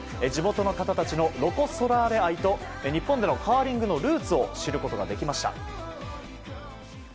地元の方たちのロコ・ソラーレ愛と日本でのカーリングのルーツを知ることができました。